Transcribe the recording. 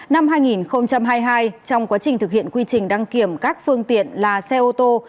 năm hai nghìn hai mươi hai trong quá trình thực hiện quy trình đăng kiểm các phương tiện là xe ô tô